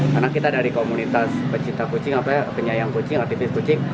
karena kita dari komunitas pecinta kucing penyayang kucing aktivis kucing